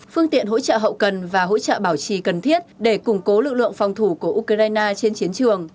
phương tiện hỗ trợ hậu cần và hỗ trợ bảo trì cần thiết để củng cố lực lượng phòng thủ của ukraine trên chiến trường